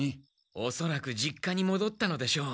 おそらく実家にもどったのでしょう。